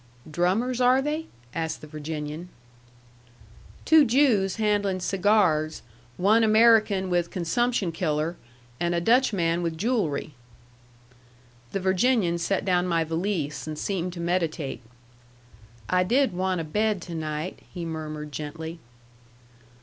"Drummers, are they?" asked the Virginian. "Two Jews handling cigars, one American with consumption killer, and a Dutchman with jew'lry." The Virginian set down my valise, and seemed to meditate. "I did want a bed to night," he murmured gently.